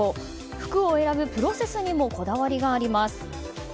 服を選ぶプロセスにもこだわりがあります。